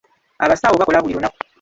Abasawo bakola buli lunaku.